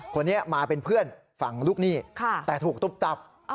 คนนี้มาเป็นเพื่อนฝั่งลูกหนี้แต่ถูกตุ๊บตับ